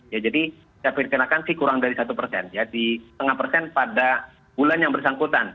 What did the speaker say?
ya jadi saya pikirkan sih kurang dari satu persen ya di setengah persen pada bulan yang bersangkutan